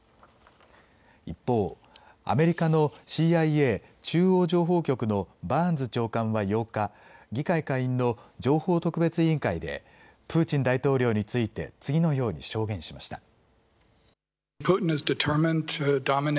一方、アメリカのＣＩＡ・中央情報局のバーンズ長官は８日、議会下院の情報特別委員会でプーチン大統領について次のように証言しました。